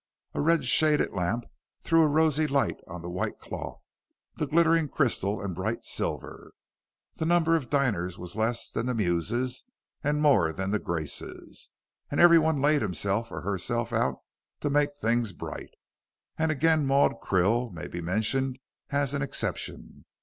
A red shaded lamp threw a rosy light on the white cloth, the glittering crystal and bright silver. The number of diners was less than the Muses, and more than the Graces, and everyone laid himself or herself out to make things bright. And again Maud Krill may be mentioned as an exception.